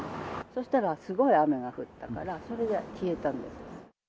そしたらすごい雨が降ったから、それで消えたの。